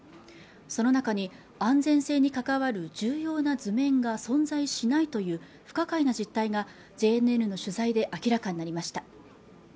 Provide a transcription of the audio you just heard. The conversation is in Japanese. その中に安全性に関わる重要な図面が存在しないという不可解な実態がＪＮＮの取材で明らかになりました